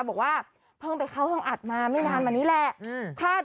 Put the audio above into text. บอกว่าเพิ่งไปเข้าห้องอัดมาไม่นานมานี้แหละ